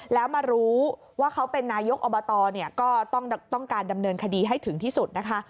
แล้วมารู้ว่าเขาเป็นนายกอบตเนี่ยก็ต้องการดำเนินคดีให้ถึงที่สุดนะคะ